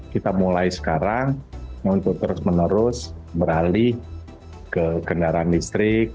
kita mulai sekarang untuk terus menerus beralih ke kendaraan listrik